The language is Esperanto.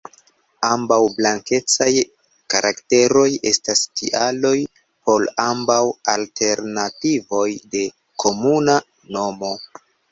Ambaŭ blankecaj karakteroj estas tialoj por ambaŭ alternativoj de komuna nomo.